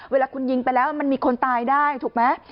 เวลาคุณยิงไปแล้วมันมีคนตายได้ถูกไหม